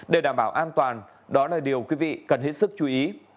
để đảm bảo an toàn đó là điều quý vị cần hết sức chú ý